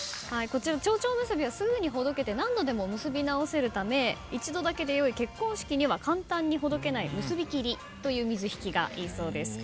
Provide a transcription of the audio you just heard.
ちょうちょ結びはすぐにほどけて何度でも結び直せるため一度だけでよい結婚式には簡単にほどけない結び切りという水引がいいそうです。